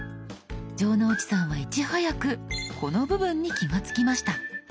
城之内さんはいち早くこの部分に気が付きました。